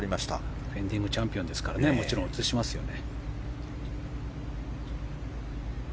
ディフェンディングチャンピオンですからねもちろん映しますよね。